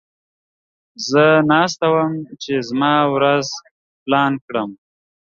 زه ناست وم چې زما ورځ پلان کړم.